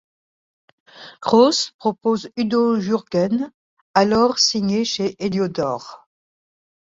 Kraus propose Udo Jürgens, alors signé chez Heliodor.